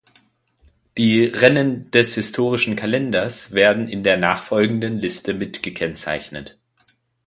Die Rennen des historischen Kalenders werden in der nachfolgenden Liste mit gekennzeichnet.